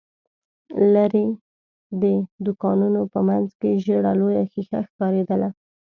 ليرې، د دوکانونو په مينځ کې ژېړه لويه ښيښه ښکارېدله.